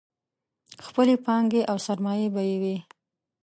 خپلې پانګې او سرمایې به یې وې.